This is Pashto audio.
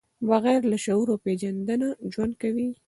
بغیر له شعور او پېژانده ژوند کوي.